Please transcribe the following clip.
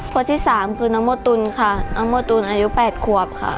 คนที่สามคือน้องโมตุลค่ะน้องโมตุลอายุ๘ขวบค่ะ